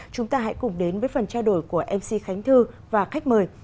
chúng ta hãy cùng đến với phần trao đổi của mc khánh thư và khách mời